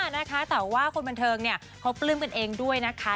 นะคะแต่ว่าคนบันเทิงเนี่ยเขาปลื้มกันเองด้วยนะคะ